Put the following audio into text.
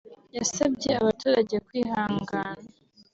yasabye abaturage kwihangana